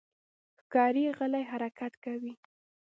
ښکاري غلی حرکت کوي.